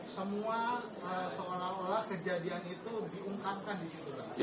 semua seolah olah kejadian itu diungkapkan di situ